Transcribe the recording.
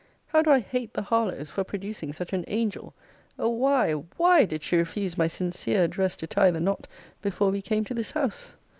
How do I hate the Harlowes for producing such an angel! O why, why, did she refuse my sincere address to tie the knot before we came to this house!